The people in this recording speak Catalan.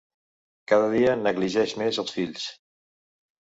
Cada dia negligeix més els fills.